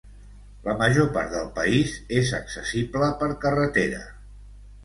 La major part del país és accessible per carretera.